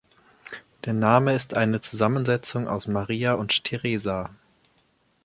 Der Name ist eine Zusammensetzung aus Maria und Theresa.